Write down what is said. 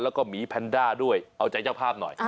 แล้วก็หมีแพนด้าด้วยเอาใจเจ้าภาพหน่อย